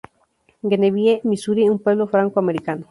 Genevieve, Misuri, un pueblo franco-americano.